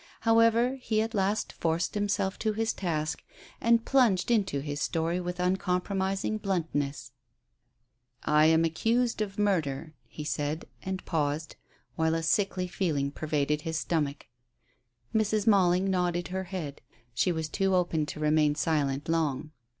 However, he at last forced himself to his task, and plunged into his story with uncompromising bluntness. "I am accused of murder," he said, and paused, while a sickly feeling pervaded his stomach. Mrs. Malling nodded her head. She was too open to remain silent long.